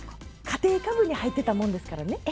家庭科部に入ってたもんですからね。